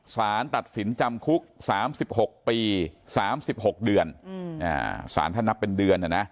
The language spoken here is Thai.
สารตัดสินจำคุก๓๖ปี๓๖เดือนสารท่านนับเป็นเดือน